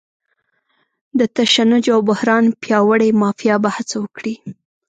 د تشنج او بحران پیاوړې مافیا به هڅه وکړي.